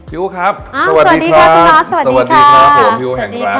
ฮิ้วครับสวัสดีครับสวัสดีครับสวัสดีครับสวัสดีครับสวัสดีครับ